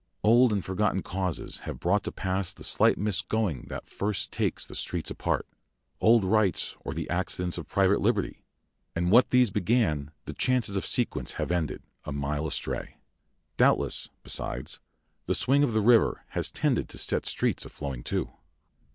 Old and forgotten causes have brought to pass the slight misgoing that first takes the streets apart old rights or the accidents of private liberty; and what these began the chances of sequence have ended, a mile astray. Doubtless, besides, the swing of the river has tended to set streets a flowing too.